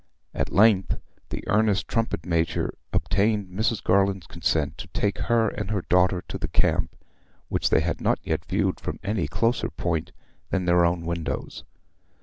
At length the earnest trumpet major obtained Mrs. Garland's consent to take her and her daughter to the camp, which they had not yet viewed from any closer point than their own windows.